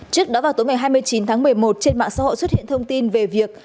trước đó vào tối ngày hai mươi chín tháng một mươi một trên mạng xã hội xuất hiện thông tin về việc